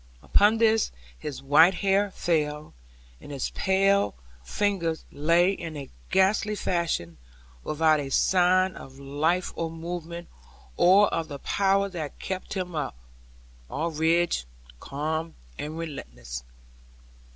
Upon this his white hair fell, and his pallid fingers lay in a ghastly fashion without a sign of life or movement or of the power that kept him up; all rigid, calm, and relentless.